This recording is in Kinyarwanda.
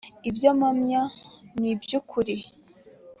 ibyo mpamya a ni iby ukuri